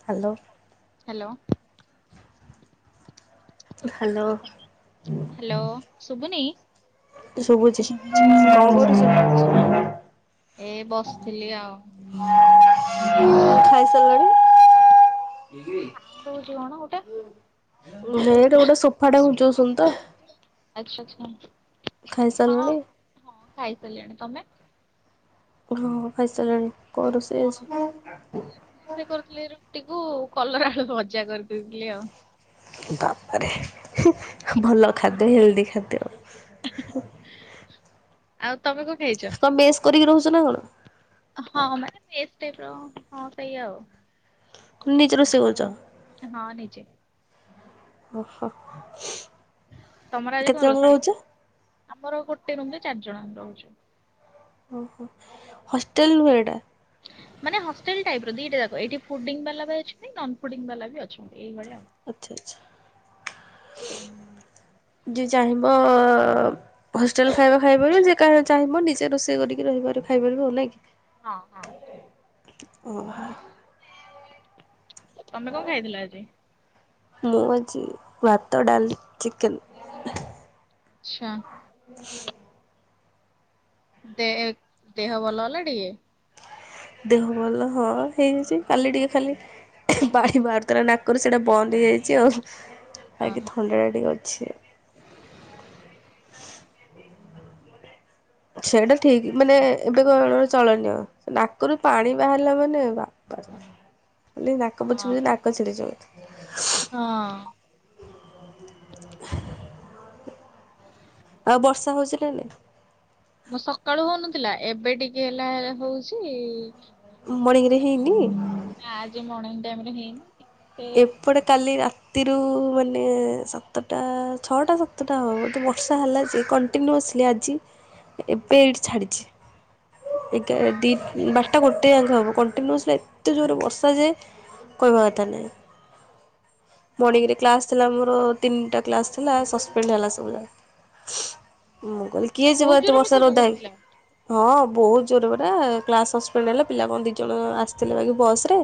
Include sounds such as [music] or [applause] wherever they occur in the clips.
Hello. Hello. Hello hello ସୁୁବୁନି? ଶୁଭୁଛି କଣ କରୁଛ? ଏଇ ବସିଥିଲି ଆଉ ଟିକେ ବସିକି ଫୋନ୍ ଖାଇସାରିଲଣି? ସାଉଣ୍ଡ ହଉଛି କଣ ଗୋଟେ? ବେଡ୍ ଗୋଟେ ସୋଫା ଟା ଘୁଞ୍ଚଉଚନ୍ତି ତ [unintelligible] ହଁ ଖାଇସାରିଲୁଣି? ହଁ ଖାଇସାରିଲିଣି, ତମେ? ହଁ ଖାଇସାରିଲିଣି, କଣ ରୋଷେଇ ଆଜି? ଷେଇ କରୁଥିଲି ବା କଣ ମେସ୍ ଆଉ ତମେ କଣ ଖାଇଛ? କରିକି ରହୁଛ ନା କଣ? ହଁ ମାନେ ମେସ୍ ଟାଇପ୍ ର ହଁ ସେଇଆ ଆଉ। ନିଜେ ରୋଷେଇ କରୁଛ? ହଁ ନିଜେ ଓ ହ୍ ସ୍ମୁ। ତମର ଆଜି କଣ ରୋଷେଇ, ଆମର ଗୋଟେ ରୁମ ରେ ଚାରି ଜଣ ଆମେ ରହୁଛୁ। ଓହୋ ହଷ୍ଟେଲ ନୁହେଁ ଏଇଟା? ମାନେ ହଷ୍ଟେଲ ଟାଇପର ଦିଟା ଯାକ, ଏଇଠି ଫୁଡିଂ ବାଲା ବି ଅଛନ୍ତି ନନ ଫୁଡିଙ୍ଗ ବାଲା ବି ଅଛନ୍ତି ଏଇଭଳିଆ ଆଉ। ଆଛା ଆଛା ଯିଏ ଚାହିଁବ ହଷ୍ଟେଲ ଖାଇବା ଖାଇ ପାରିବ ଯେ ଚାଁହିବ ନିଜେ ରୋଷେଇ କରିକି ରହିବ ଖାଇ ପାରିବ ନାଇ କି? ହଁ ହଁ। ଓ ହା ତମେ କଣ ଖାଇଥିଲ ଆଜି? ମୁଁ ଅଛି ଭାତ ଡାଲି ଚିକେନ୍ ଆଚ୍ଛା [inaudible] ଦେ ଦେହ ଭଲ ହେଲା ଟିକେ ଦେହ ଭଲ ହଁ ହେଇଯାଇଛି କାଲି ଟିକେ ଖାଲି ପାଣି ବାହାରୁଥିଲା ନାକରୁ ସେଇଟା ବନ୍ଦ ହେଇଯାଇଛି ଆଉ ବାକି ଥଣ୍ଡାଟା ଟିକେ ଅଛି ହ [inaudible] ଛା ସେଇଟା ଠିକ ମାନେ ଏବେ କଣ ଚଳନିଅ ନାକରୁ ପାଣି ବାହାରିଲା ମାନେ ବାପ ବୋଲି ନାକ ପୋଛୁ ଓହୋ ପୋଛୁ ନାକ ଛିଡିଯାଉ ଥିବ ହଁ ଆଉ ବର୍ଷା ହଉଛି ନା ନାଇ ମୁଁ ସକାଳୁ ହଉନଥିଲା ଏବେ ଟିକେ ହେଲା ହଉଛି ମଣିଂରେ ହେଇନି ନାଁ ଆଜି ମର୍ଣ୍ଣିଂ ଟାଇମ ରେ ହେଇନି ସେ ଏପଟେ କାଲି ରା ତିରୁ ମାନେ ସାତଟା ଛଅଟା ସାତଟା ହେବ ବୋଧେ ବର୍ଷା ହେଲା ଯେ କ କଣ୍ଟିନ୍ୟୁ ଆସିଲି ଆଜି ଏବେ ଏଇଠି ଛାଡ଼ିଛି ଏଗା ହଁ। ଦିଟା ବାରଟା ଗୋଟେ ଆଙ୍ଗେ ହେବ କଣ୍ଟିନ୍ୟୁଅସ୍ଲି ଏତେ ଜୋର ବର୍ଷା ଯୋଏ କହିବା କଥା ନାହିଁ ହଁ ମର୍ଣ୍ଣିଂରେ କ୍ଲାସ୍ ଥିଲା ମୋର ତିନିଟା କ୍ଲାସ୍ ଥିଲା ସସ୍ପେଣ୍ଡ ହେଲା ସବୁ ଯାକ ମୁଁ କହିଲି ମାନେ କିଏ ଯିବ ବହୁତ ଏତେ ଜୋରରେ ବର୍ଷା ଓଦା ପକଉଥିଲା। ହେଇକି ହଁ ବହୁତ ଜୋର ପରା କ୍ଲାସ ସସପେଣ୍ଡ ହେଲେ ପିଲା କଣ ଦି ଜଣ ଆସିଥିଲେ ବାକି ବସ ରେ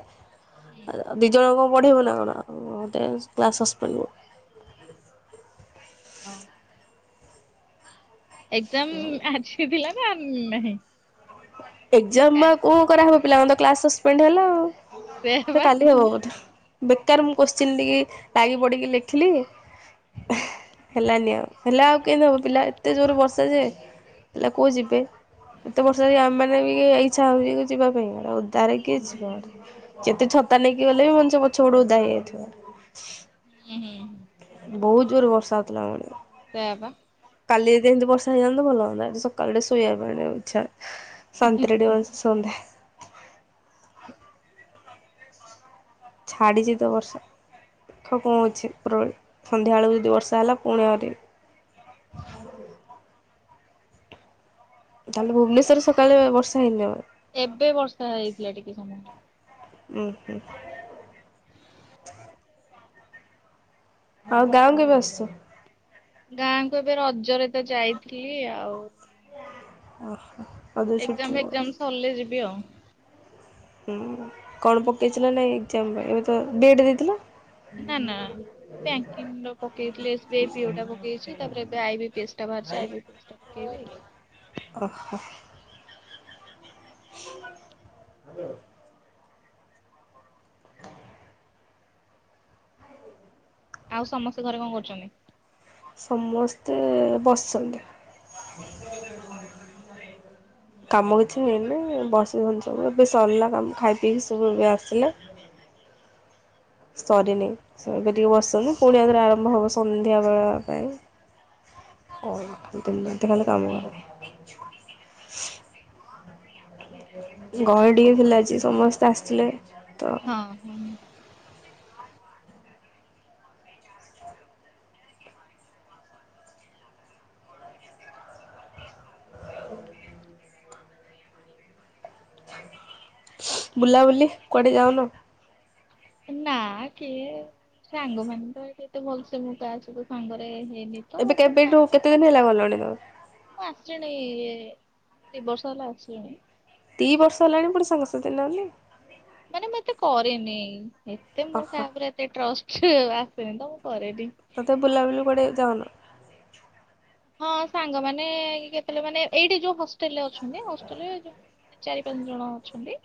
ଆ ଦି ଜଣ କଣ ପଢେଇବ ନା କଣ ମତେ କ୍ଲାସ ସସପେଣ୍ଡ ହୁଏ ହଁ ଏକ୍ଜାମ ଆଜି ଥିଲା ନା ନାହିଁ ଏକ୍ଜାମ ଆଉ ବା କଣ କରାହବ ପିଲାମାନଙ୍କ ତ କ୍ଲାସ ସସପେଣ୍ଡ ହେଲା ଆଉ ସେଇଆ ସେ ବା। କାଲି ହବ ବୋଧେ ବେକାର ମୁଁ କୋସଚୈନ ନେଇକି ଲାଗି ପଡିକି ଲେଖିଲି ହେଲାନି ଆଉ ହେଲା ଆଉ କେମିତି ହବ ପିଲା ଏତେ ଜୋର ବର୍ଷା ଯେ ପିଲା କୋଉ ଯିବେ ଏତେ ବ ତଥାପି ଆମେ ମାନେ ବି ଇଚ୍ଛା ହଉଛି ଯିବା ପାଇଁ ଏରା ଓଦାରେ କିଏ ଯିବ ଯେତେ ଛତା ନେଇକି ଗଲେ ବି ମଣିଷ ପଛ ପଟୁ ଓଦା ହେଇଯାଇଥିବ ହୁଁ ହୁଁ ବହୁତ ଜୋରରେ ବର୍ଷା ହେଉଥିଲା ଆମ ଆଡେ ସେୟା ପା କାଲି ଯଦି ଏମିତି ବର୍ଷା ହେଇଯାନ୍ତା ଭଲ ହୁନ୍ତା ସକାଳୁ ଶୋଇବା ପାଇଁ ଇଛା ଶାନ୍ତିରେ ଟିକେ ସନ୍ଦା ଛାଡ଼ିଚିତ ବର୍ଷା ଦେଖ କଣ ହଉଛି ଉପରବଳି ସନ୍ଧ୍ୟାବେଳକୁ ଯଦି ବର୍ଷା ହେଲା ପୁଣି ଆହୁରି ହ [unintelligible] ତାହେଲେ ଭୁବନେସ୍ୱର ସକାଳେ ବର୍ଷା ହେଇନି ଆଉ ଏବେ ବର୍ଷା ହେଇଥିଲା ଟିକେ ସମୟ ଉୁଁ ହୁଁ ଆଉ ଗାଁ କୁ କେବେ ଆସୁଛ।? ଗାଁ କୁ ଏବେ ରଜରେ ତ ଯାଇଥିଲି ଆଉ। ଓ ହୋ ଏକ୍ଜାମ ଫେକ୍ଜାମ ସରିଲେ ଯିବି ଆଉ। ହୁଁ କଣ ପକେଇଛି ନା ନାଇଁ ଏକ୍ଜାମ ପାଇଁ ଏବେ ତ ବିଏଡ଼ ଦେଇଥିଲ। ନା ନା ବ୍ୟାଙ୍କିଙ୍ଗର ପକେଇଥିଲେ ଏସ ବି ଆଇ ପିଓ ଟା ପକେଇଛି ତାପରେ ଏବେ ଆଇ ବିପି ଏସ ଟା ବାହାରିଛି ଇ ଚେଷ୍ଟା ପକେଇବି? ଓ ହୋ। ହ ଆଉ ସମସ୍ତେ ଘରେ କଣ କରୁଛନ୍ତି? ସମସ୍ତେ ଏ ବସିଛନ୍ତି। କାମ କିଛି ହେଇନି ବସିଛନ୍ତି ସବୁ ଏବେ ସରିଲା କାମ ଖାଇ ପିଇକି ସବୁ ଏବେ ଆସିଲେ। ସରିନି ସେବେ ଟିକେ ବସିଛନ୍ତି ପୁଣି ଆଉଥରେ ଆରମ୍ଭ ହବ ସନ୍ଧ୍ୟା ବେଳ ପାଇଁ। ଓ ଦିନରାତି ଖାଲି କାମ କର। ଗହଳି ଟିକେ ଥିଲା ଆଜି ସମସ୍ତେ ଆସିଥିଲେ। ତ ହଁ ହଁ। ହଉ ବୁଲାବୁଲି କୁଆଡ଼େ ଯାଉନ? ନା କିଏ ସାଙ୍ଗ ମାନେ ତ ଏତେ ଭଲସେ ମୋ ଵ୍ୟାଚ୍ ସାଙ୍ଗରେ ହେଇନି ତ ଏବେ ନା। କେବେଠୁ କେତେ ଦିନ ହେଲା ଗଲଣି ତମେ? ମୁଁ ଆସିଲଣି ଏ ଦି ବର୍ଷ ହେଲା ଆସିଲିଣି। ଦି ବର୍ଷ ହେଲାଣି ପୁଣି ସାଙ୍ଗ ସାଥୀ ନାହାନ୍ତି। ମାନେ ମୁଁ ଏତେ କରେନି ଏତେ ମୋର ଓହୋ। କାହା ଉପରେ ସେ ଟ୍ରଷ୍ଟ ଆସେ ତ ମୁଁ କରେନି। ତ ବୁଲାବୁଲି କୁଆଡେ ଯାଉନ? ହଁ ସାଙ୍ଗମାନେ କେତେବେଳେ ମାନେ ଏଇଠି ଯୋଉ ହଷ୍ଟେଲରେ ଅଛନ୍ତି ହଷ୍ଟେଲ ଯୋଉ ଚାରି ପାଞ୍ଚ ଜଣ ଅଛନ୍ତି।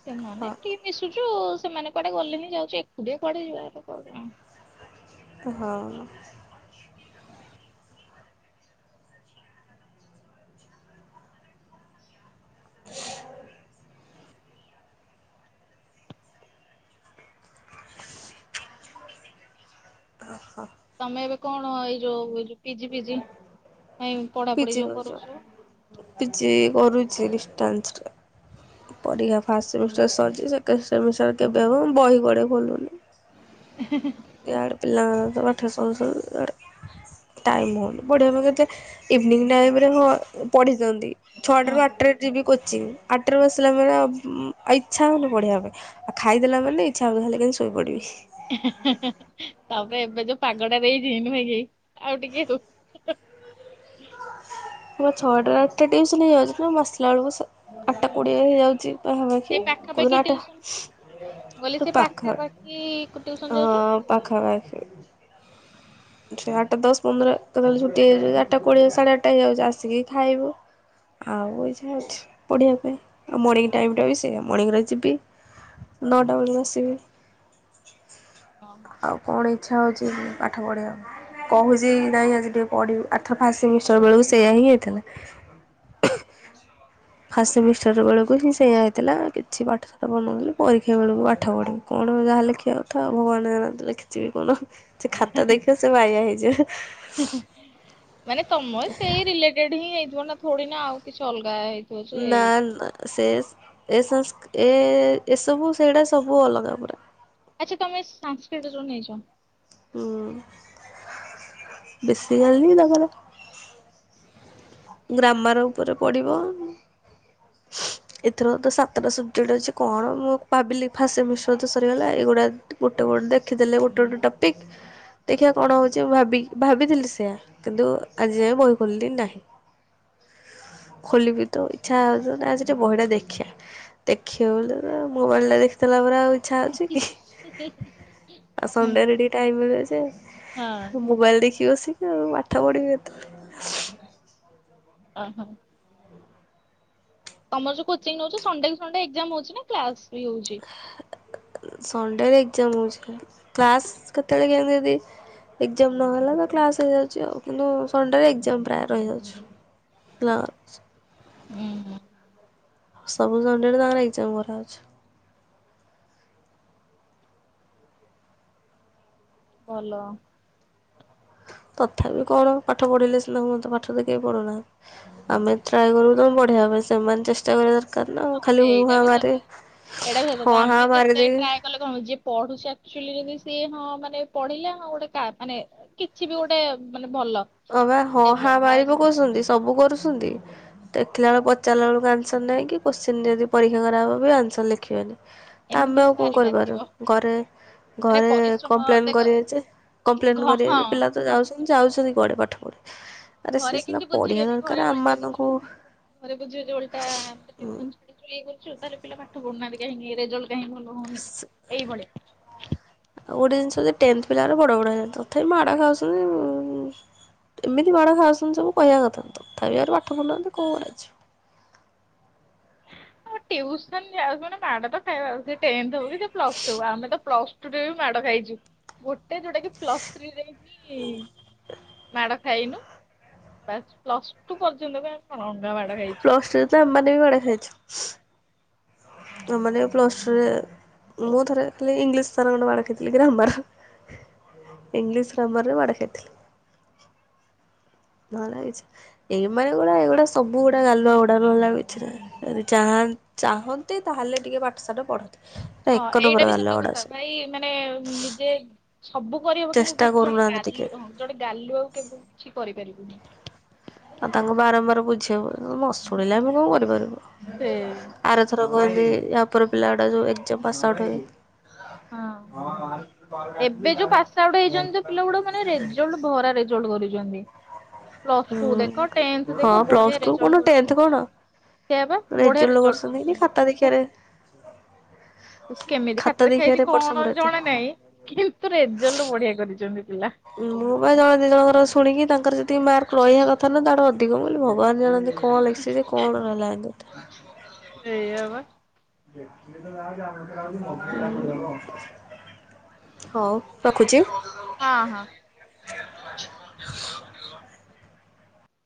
ସେମାନେ ହଁ ଟିକେ ମିଶୁଛୁ ସେମାନେ କୁଆଡେ ଗଲେନି ଯାଉଛୁ ଏକୁଟିଆ କୁଅଡେ ଯିବାର ନାଇ। ହଁ। ଓ ହୋ। ତମେ ଏବେ କଣ ଏଇ ଯୋଉ ଏ ଯୋଉ ପିଜି ଫିଜି ପାଇଁ ପଢାପଢି ପିଜି ଯୋଉ କରୁଛ? କରୁଥିଲ। ପିଜି କରୁଛି ଡିଷ୍ଟାନ୍ସ ରେ। ପରୀକ୍ଷା ଫାଷ୍ଟ ସେମିଷ୍ଟାର ସରିଛି ସେକେଣ୍ଡ ସେମିଷ୍ଟାର କେବେ ହେବ ମୁଁ ବହି କୁଆଡେ ଖୋଲୁନି। ହେଁ ହେଁ। ଇଆଡେ ପିଲାଙ୍କର ପାଠ ସରୁ ସରୁ ଆଡ଼େ। ଟାଇମ୍ ହଉନି ପଢ଼ିବା ପାଇଁ କେତେ ଇଭିନିଂ ଟାଇମ ହଁ ପଢ଼ି ଦିଅନ୍ତି। ଛଅଟା ହଁ ରୁ ଆଠଟାରେ ଯିବି କୋଚିଂ ଆଠ ଟାରୁ ଆସିଲା ପରେ ଆଉ ଇଚ୍ଛା ହଉନି ପଢିବା ପାଇଁ। ଆଉ ଖାଇଦେଲାମାନେ ଇଚ୍ଛା ହବଖାଲି କେମିତି ଶୋଇ ପଡିବି? ହେଁ ହେଁ ତମେ ଏବେ ଯୋଉ ପାଗଟା ଦେଇଛି ନୁହିକି ଆଉ ଟିକେ ମୋର ଛଅ ଟା ଟିଉସନ ହେଇଯାଉଛି ନା ଆସିଲା ଆଳକୁ ସାତ୍ ଆଠଟା କୋଡ଼ିଏ ହେଇଯାଉଛି ସେ ପାଖାପାଖି ପାଖାପାଖି କୋଉଦିନ ଟିଉସନ ଆଠଟା ପାଖରେ କି ଟିଉସନ ଯାଉଛ? ଦୂରିଆ ପାଖା ପାଖି ଆଠଟା ଦଶ ପନ୍ଦର କେତେବେଳେ ଛୁଟି ହେଇଯାଉଛି ଆଠଟା କୋଡିଏ ସାଢେ ଆଠଟା ହେଇଯାଉଛି ଆସିକି ଖାଇବ। ଆଉ ଏଇ ଯା ଅଛି ପଢ଼ିବା ପାଇଁ ଆଉ ମର୍ଣ୍ଣିଙ୍ଗ ଟାଇମ ଟା ବି ସେଇଆ ମର୍ଣ୍ଣିଙ୍ଗରେ ଯିବି ନଟାବେଳେ ଆସିବି। ହଁ। ଆଉ ହଁ କଣ ଇଚ୍ଛା ହଉଛି ପାଠ ପଢ଼ିବାକୁ। କହୁଛି ନାଇଁ ଆଜି ଟିକେ ପଢ଼ିବି ଆର ଥର ଫାଷ୍ଟ ସେମିଷ୍ଟାର ବେଳକୁ ସେୟଆ ହିଁ ହେଇଥିଲା। ଫାଷ୍ଟ ସେମିଷ୍ଟାର ବେଳକୁ ହି ସେୟଆ ହେଇଥିଲା କିଛି ପାଠ ଶାଠ ମନ ହଉନି ପରୀକ୍ଷା ବେଳକୁ ପାଠ ପଢ଼ିବି। କଣ ଯାହା ଲେଖିବା କଥା ଭଗବାନ ଜାଣନ୍ତି। ଲେଖିଥିବି କଣ ସେ ଖାତା ଦେଖିବ ସେ ବାୟା ହେଇଯିବ। ମାନେ ତମର ସେଇ ରିଲେଟେଡ ହିଁ ହେଇଥିବ ନା ଥୋଡି ନା ଆଉ କିଛି ଅଲଗା ହେଇ ନା ନା। ସେ ଏ ଏ ଏସବୁ ସେଇଟା ସବୁ ଅଲଗା ପୁରା। ଆଚ୍ଛା ତମେ ସାଂନସକ୍ରିଟ ଜଉ ନେଇଚ। ହୁଁ ବେଶି ଗଲନି [inaudible] ତାଙ୍କର ଗ୍ରାମର ଉପରେ ପଡିବ। ଏଥିର ତ ସାତଟା ସବଜେକ୍ଟ ଅଛି କଣ ମୁଁ ଭାବିଲି ଫାଷ୍ଟ ସେମିଷ୍ଟାର ତ ସରିଗଲା ଏଗୁଡ଼ା ଗୁଟେ ଗୁଟେ ଦେଖି ଦେଲେ ଗୁଟେ ଗୁଟେ ଟପିକ। ଦେଖିବା କଣ ହେଉଛି ମୁଁ ଭାବି ଭାବିଥିଲି ସେଆା କିନ୍ତୁ ଆଜି ଯାଇ ବହି ଖୋଲିଲି ନାହିଁ। ଖୋଲିବି ତ ଇଚ୍ଛା ହଉଚି ମାନେ ଆଜି ଟିକେ ବହିଟା ଦେଖିବା। ଦେଖିବା ବୋଲିତ ମୋବାଇଲା ଦେଖିଦଲା ପରେ ଆଉ। ଇଛା ହଉଚି କି ଆଉ ହଁ ସଣ୍ଡେରେ ଟିକେ ଟାଇମ ହୁଏ ଯେ ହଁ ମୋବାଇଲ ଦେଖିବି ବସିକି ଆଉ ପାଠ ପଢିବି କେତେବେଳେ। ଓହୋ, ତମର ଯୋଉ କୋଚିଂ ନଉଚ ସଣ୍ଡେ କୁ ସଣ୍ଡେ ଏଗଜାମ ହଉଚି ନା କ୍ଲାସ ବି ହଉଚି। ସଣ୍ଡେ ରେ ଏଗଜାମ ହଉଚି କ୍ଲାସ କେତେବେଳେ କେମିତି ଜଦି। ଏଗଜାମ ନହେଲାତ କ୍ଲାସ ହେଇଯାଉଚି ଆଉ କିନ୍ତୁ ସଣ୍ଡେ ରେ ଏଗଜାମ ପ୍ରାୟ ରହିଯାଉଚି। କ୍ଲାସ। ହୁଁ ହୁଁ। ସବୁ ସଣ୍ଡେ ରେ ତାଙ୍କର ଏଗଜାମ କରା ଛହେଉଚି। ଭଲ। ତଥାପି କଣ ପାଠ ପଢିଲେ ସିନା ହୁଅନ୍ତା ପାଠ ତ କେହି ପଢୁନାହିଁ ଆମେ ଟ୍ରାଏ କରୁ ତମ ବଢିଆ ଭାବରେ ସେମାନେ ଚେଷ୍ଟା କର କରନା ହଁ ଖାଲି ହୁଁ ଏଇଟା ହାଁ ବି ସତ ଏଇଟା ବି ସତ ମାରିବି ହଁ କଥା ହାଁ ଆମେ ଯେତେ ମାରିଦେବି। ଟ୍ରାଏ କଲେ କଣ ହଉଚି ଯିଏ ପଢୁଚି ଆକଚୁଆଲି ଯଦି ସିଏ ହଁ ମାନେ ପଢିଲା ହଁ ଗୋଟେ କା ମାନେ କିଛି ବି ଗୋଟେ ମାନେ ଭଲ, ଅ ବା ହଁ ହା ଡେଭଲପ ଆଉ ମାରି ସେ ପକଉସନ୍ତି ସବୁ କରୁଶୁନ୍ତି। ଦେଖିଲା ବେଳକୁ ପଚାରିଲାେଳକୁ ଆନ୍ସର ନାହିଁ କି କୋଶ୍ଚିନ୍ ଯଦି ପରୀକ୍ଷାେ କରାହବ ବି ଆନ୍ସର ଲେଖିବେନି। ତ ଆମେ ଏମିତି ହେଲେ ଆଉ କଣ ଭାରି ବାଧିବ କରିପାରିବୁ ଘରେ ମାନେ ଘରେ ପରିଶ୍ରମ କମ୍ପ୍ଲେନ ଦେଖ କରିବେ ଜେ କମ୍ପ୍ଲେନ ଘ ହଁ କରିବେଜେ ପିଲା ତ ଯାଉସ ଯାଉଛନ୍ତି କୁଆଡେ ପାଠ ପଢି। ଘରେ କିଛି ବୁଝିବେନି ଘରେ ଓଲଟା ବୁଝିବି ଘରେ ବୁଝିବେ ଯେ ଓଲଟାସେ ଟିଉସନ ଛୁଟି ଛ କରୁଛୁ ତାହେଲେ ପିଲା ପାଠ ପଢୁନାହାନ୍ତିା କାହିଁକି ରେଜଲ୍ଟ କାହିଁକି ଭଲ ହଉନି ଏଇଭଳିଆ। ଆଉ ଗୋଟେ ଜିନିଷ ଜେ ଟେନ୍ଥ ପିଲାରା ବଡ ବଡ ହେଇଯାନ୍ତି ତଥାପି ମାଡ ଖାଉସନ୍ତି ଉଁ ଉଁ ଏମିତି ମାଡ଼ ଖାଉସନ୍ତି ସବୁ କହିବା କଥା ତଥାପି ଆରେ ପାଠ ପଢୁ ନାହାନ୍ତି କଣ କରାଜିବ। ସେ ଟିଉସନ ଯାଉଛନ୍ତି ମାଡ ତ ଖାଇବାକୁ ସେ ଟେନ୍ଥ ହଉକି ପ୍ଲସଟୁ ହଉ ଆମେ ତ ପ୍ଲସ ଟୁରେ ବି ମାଡ ଖାଇଚୁ ଗୋଟେ ଯୋଉଟା କି ପ୍ଲସଥ୍ରୀରେ କି ମାଡ ଖାଇନୁ ବାସ ପ୍ଲସ ଟୁ ପର୍ଯ୍ୟନ୍ତ ବି ଆମେ କଣ ନଂଘା ମାଡ ଖାଇଚୁ। ପ୍ଲସ୍ ଟୁରେ ତ ଆମେ ମାନେ ବି ମାଡ ଖାଇଚୁ। ଆମମାନେ ବି ପ୍ଲସଟୁରେ ମୁଁ ଥରେ ଖାଲି ଇଂଲିଶ ସାରଙ୍କଠୁ ମାଡ଼ ଖାଇଥିଲି ଗ୍ରାମାର। ଇଂଲିଶ ଗ୍ରାମର ରେ ମାଡ଼ ଖାଇଥିଲି। ନହେଲେ କିଛି ଏଇ ମାନେ ଗୁଡା ଏଇଗୁଡା ସବୁ ଗୁଡା ଗାଲୁଆ ଗୁଡା ନହେଲେ ଆଉ କିଛି ନାହିଁ। ଯଦି ଚାହା ଚାହନ୍ତେ ତାହେଲେ ଟିକେ ପାଠ ସାଠ ପଢ ହଁ ଏଇଟା ବି ସତ କଥା ଭାଇ ମାନେ ନିଜେ ସବୁ କରିହବ କିନ୍ତୁ ଚେଷ୍ଟା ଗୋଟେ ଜଣେ କରୁନାହାନ୍ତି ଟିକେ। ଗାଲୁ ଜଣେ ଗାଲୁଆକୁ କେବେ କିଛି କରିପାରିବୁନି। ଆଉ ତାଙ୍କୁ ବାରମ୍ବାର ବୁଝେଇବୁ ନ ଶୁଣିଲେ ଆମେ କଣ କରିପାରିବୁ। ସେଇ। ଆରଥରକ ଏମିତି ୟାପର ପିଲା ଗୁଡା ଯୋଉ ଏଗଜାମ ପାସ ଆଉଟ ହେବେ ହଁ ଏବେ ଯୋଉ ପାସ ଆଉଟ୍ ହେଇଛନ୍ତି ଜଉ ପିଲା ଗୁଡାକ ମାନେ ରେଜଲ୍ଟ ଭରା ରେ ଜଲ୍ଟ କରିଛନ୍ତି, ପ୍ଲସ ଟୁ ହୁଁ ଦେଖ, ଟେନ୍ଥ ହଁ ଦେଖ ପ୍ଲସ୍ ବଢିଆ ଟୁ କଣ ରେଜଲ୍ଟ ଟେନ୍ଥ କଣ କରିଛନ୍ତି। ସେୟା ବା ବଢିଆ ରେଜଲ୍ଟ କି କରିଛନ୍ତି। ଖାତା ଦେଖିବାରେ କେମିତି ଖାତା ଦେଖା ହେଇଛି ଦେଖିବାରେ ଏପଟ କଣ ସେପଟ ଏତେ ଜଣା ନାହିଁ? କିନ୍ତୁ ରେଜଲ୍ଟ ବଢିଆ କରିଛନ୍ତି ପିଲା। ମୁଁ ବା ଜଣେ ଦି ଜଣଙ୍କର ଶୁଣିକି ତାଙ୍କର ଯେତିକି ମାର୍କ ରହିବା କଥା ନୁହଁ ତାଠୁ ଅଧିକ ବୋଲି ଭଗବାନ ଜାଣନ୍ତି। କଣ ଲଖସି କଣ ରହିଲା ଟୁ? ଏୟା ବା। [unintelligible] ହଉ ରଖୁଛି। ହଁ ହଁ।